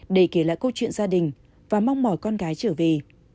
để kể lại câu chuyện gia đình và mong mỏi con gái trở về